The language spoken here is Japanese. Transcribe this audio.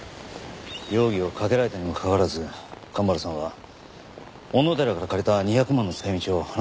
容疑をかけられたにもかかわらず神原さんは小野寺から借りた２００万の使い道を話そうとしませんでした。